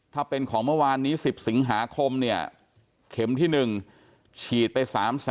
ถ้าเป็นของเมื่อวานนี้๑๐สิงหาคมเนี่ยเข็มที่๑ฉีดไป๓๐๐๐